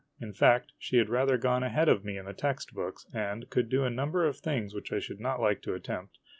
In fact, she had rather gone ahead of me in the text books, and could do a number of things which I should not like to attempt.